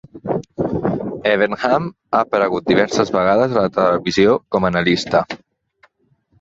Evernham ha aparegut diverses vegades a la televisió com a analista.